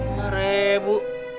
nggak ada bu